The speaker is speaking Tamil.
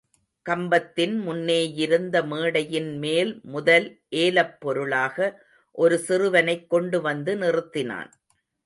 கம்பத்தின் முன்னேயிருந்தமேடையின்மேல் முதல் ஏலப்பொருளாக ஒரு சிறுவனைக் கொண்டுவந்து நிறுத்தினான்.